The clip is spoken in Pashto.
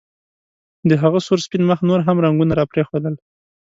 د هغه سور سپین مخ نور هم رنګونه راپرېښودل